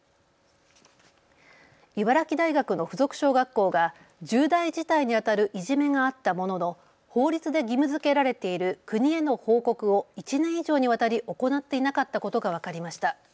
茨城大学の附属小学校が重大事態にあたるいじめがあったものの法律で義務づけられている国への報告を１年以上にわたり行っていなかったことが分かりました。